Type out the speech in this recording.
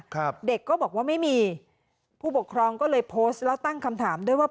ครับเด็กก็บอกว่าไม่มีผู้ปกครองก็เลยโพสต์แล้วตั้งคำถามด้วยว่า